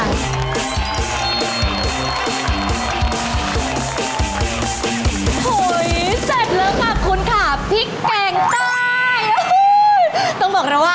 เห้ยเสร็จแล้วกับคุณค่ะพริกแกงใต้ต้องบอกนะว่า